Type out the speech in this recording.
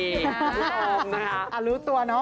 คุณผู้ชมนะคะ